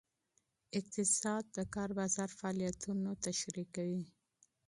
اقتصاد د کار بازار فعالیتونه تشریح کوي.